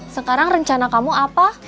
sekarang rencana kamu apa